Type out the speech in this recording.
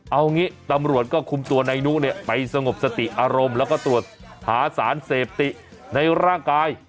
เอางี้ตำรวจก็คุมตัวนายนุเนี่ยไปสงบสติอารมณ์แล้วก็ตรวจหาสารเสพติดในร่างกาย